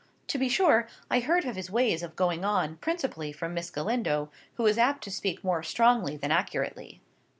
To be sure, I heard of his ways of going on principally from Miss Galindo, who was apt to speak more strongly than accurately.